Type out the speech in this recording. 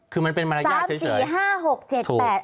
คือมันเป็นมารยาทเฉย